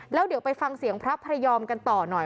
แล้วเดี๋ยวไปฟังเสียงพระพระยอมกันต่อหน่อย